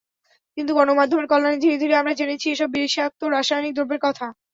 কিন্তু গণমাধ্যমের কল্যাণে ধীরে ধীরে আমরা জেনেছি, এসব বিষাক্ত রাসায়নিক দ্রব্যের কথা।